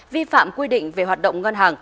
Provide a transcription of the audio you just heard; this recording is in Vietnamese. vi phạm quy định về hoạt động ngân hàng